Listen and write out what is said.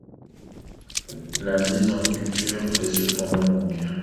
La mise en culture est cependant longue.